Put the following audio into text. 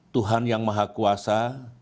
tuhan yang maha kuasa